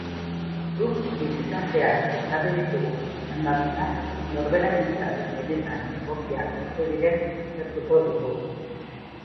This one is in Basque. Guk bizitzan zehar ezarri ditugun izendapenak norberarentzat benetan egokiak ote diren aztertuko dugu.